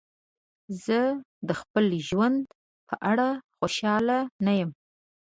زه د خپل ژوند په اړه خوشحاله نه یم.